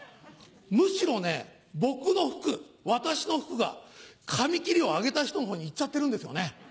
むしろね僕の福私の福が紙切りをあげた人の方に行っちゃってるんですよね。